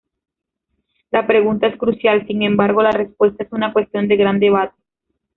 La pregunta es crucial, sin embargo, la respuesta es una cuestión de gran debate.